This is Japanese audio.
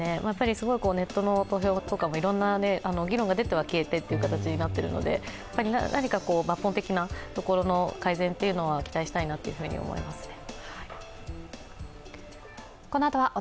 ネットの投票とかもいろんな議論が出ては消えてという形になっているので何か抜本的な改善を期待したいなと思いますね。